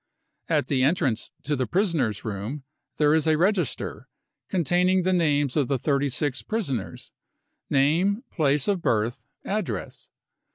u At the entrance to the prisoners' room there is a register, containing the names of the 36 prisoners. Name, place of birth, address.